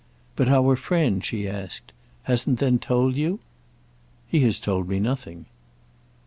"But our friend," she asked, "hasn't then told you?" "He has told me nothing."